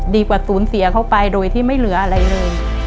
ศูนย์เสียเขาไปโดยที่ไม่เหลืออะไรเลย